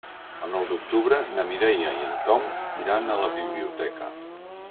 El nou d'octubre na Mireia i en Tom iran a la biblioteca.